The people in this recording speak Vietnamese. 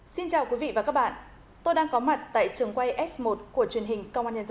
xin chào quý vị và các bạn tôi đang có mặt tại trường quay s một của truyền hình công an nhân dân